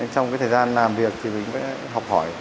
trong cái thời gian làm việc thì mình mới học hỏi